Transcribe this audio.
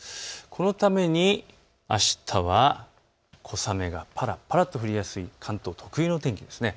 このためにあしたは小雨がぱらぱらと降りやすい関東特有の天気です。